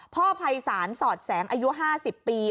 พ่อภัยศาลสอดแสงอายุ๕๐ปี